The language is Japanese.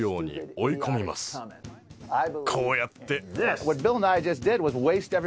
こうやって。